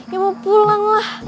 ya mau pulang lah